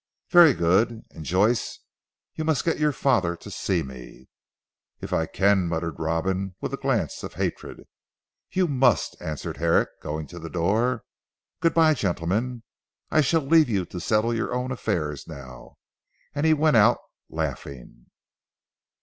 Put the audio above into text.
"Very good. And Joyce, you must get your father to see me." "If I can," muttered Robin with a glance of hatred. "You must," answered Herrick going to the door. "Good bye gentlemen, I shall leave you to settle your own affairs now." And he went out laughing.